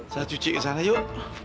saya cuci ke sana yuk